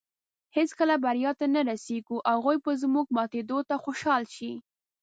هېڅکله بریا ته نۀ رسېږو. هغوی به زموږ په ماتېدو خوشحاله شي